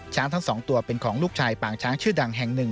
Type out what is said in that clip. ทั้งสองตัวเป็นของลูกชายปางช้างชื่อดังแห่งหนึ่ง